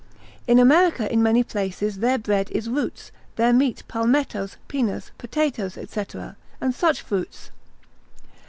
In America in many places their bread is roots, their meat palmettos, pinas, potatoes, &c., and such fruits.